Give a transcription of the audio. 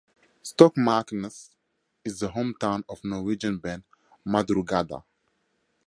Stokmarknes is the home town of Norwegian band Madrugada.